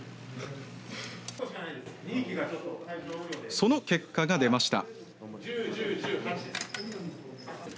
その結果が出ました。